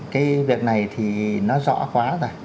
cái việc này thì nó rõ quá rồi